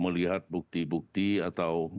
melihat bukti bukti atau